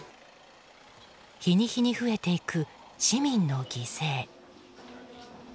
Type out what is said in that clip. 日に日に増えていく市民の犠牲。